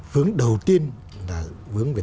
hướng đầu tiên là hướng về